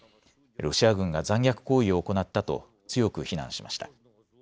ロシア軍が残虐行為を行ったと強く非難しました。